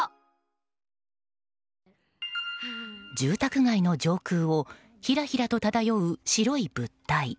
住宅街の上空をひらひらと漂う白い物体。